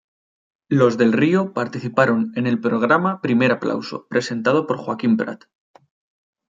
Los del Río participaron en el programa "Primer Aplauso", presentado por Joaquín Prat.